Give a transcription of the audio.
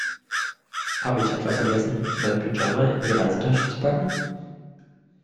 Habe ich etwa vergessen, meinen Pyjama in die Reisetasche zu packen?